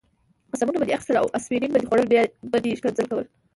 قسمونه به دې اخیستل او اسپرین به دې خوړل، بیا به دې ښکنځل کول.